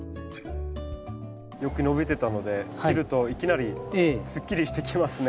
よく伸びてたので切るといきなりすっきりしてきますね。